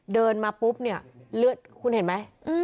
เดินมาปุ๊บเนี่ยเลือดคุณเห็นไหม